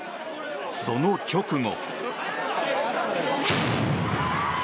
その直後。